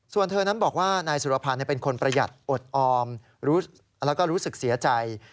ส่วนเธอนั้นบอกว่านายสุรพันธ์เป็นคนประหยัดอดออมแล้วก็รู้สึกเสียใจ